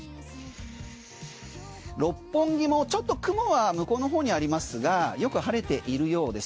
六本木もちょっと雲は向こうの方にありますがよく晴れているようです。